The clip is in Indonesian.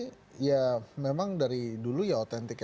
ya seperti ini ya memang dari dulu ya otentik ya